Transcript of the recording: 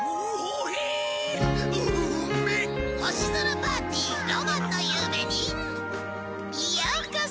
パーティーロマンの夕べにようこそ。